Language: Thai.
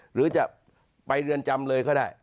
หรือจะไปเรือนจำเลยก็ได้